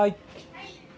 ・はい。